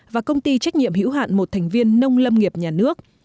và công ty trách nhiệm hữu hạn một thành viên nông lâm nghiệp nhà nước